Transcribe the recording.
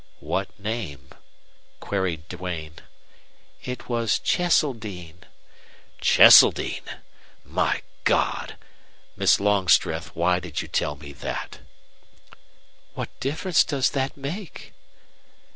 "What name?" queried Duane. "It was Cheseldine." "CHESELDINE! My God! Miss Longstreth, why did you tell me that?" "What difference does that make?"